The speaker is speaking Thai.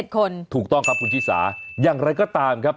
คนถูกต้องครับคุณชิสาอย่างไรก็ตามครับ